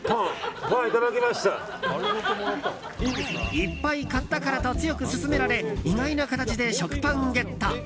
いっぱい買ったからと強く勧められ意外な形で食パンゲット。